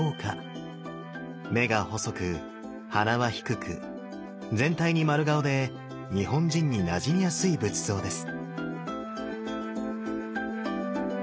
目が細く鼻は低く全体に丸顔で日本人になじみやすい仏像です。